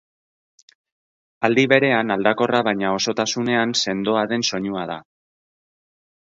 Aldi berean aldakorra baina osotasunean sendoa den soinua da.